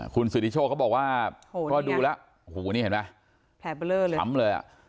คุณสิทธิโชคเขาบอกว่าก็ดูแล้วโอ้โหนี่เห็นไหมแผลเบลอเลยซ้ำเลยอ่ะ